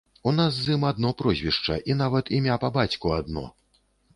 У нас з ім адно прозвішча і нават імя па бацьку адно.